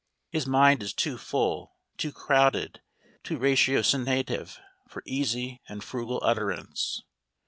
His mind is too full, too crowded, too ratiocinative, for easy and frugal utterance.